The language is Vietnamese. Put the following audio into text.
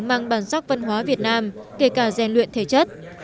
mang bản sắc văn hóa việt nam kể cả gian luyện thể chất